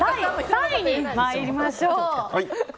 第３位に参りましょう。